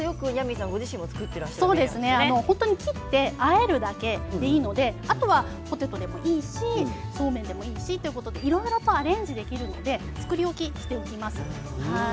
本当に切ってあえるだけでいいのであとはポテトでもいいしそうめんでもいいしいろんなものとアレンジができるので作り置きをしております。